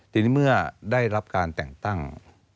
ทีนี้เมื่อได้รับการแต่งตั้ง